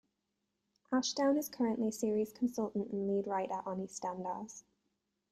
Ashdown is currently series consultant and lead writer on EastEnders.